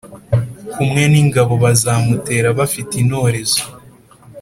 Kumwe n ingabo bazamutera bafite intorezo